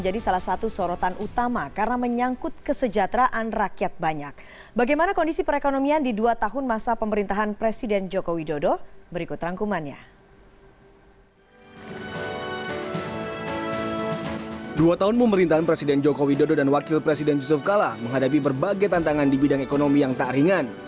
dua tahun pemerintahan presiden jokowi dodo dan wakil presiden yusuf kala menghadapi berbagai tantangan di bidang ekonomi yang tak ringan